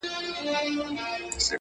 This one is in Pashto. • دپولادو مړوندونه -